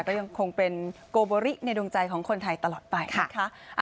ก็ยังคงเป็นโกโบริในดวงใจของคนไทยตลอดไปนะคะ